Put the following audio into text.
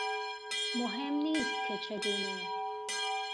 مهم نیست که چگونه